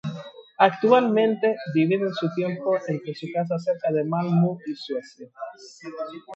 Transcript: Actualmente, dividen su tiempo entre su casa cerca de Malmö y Suecia.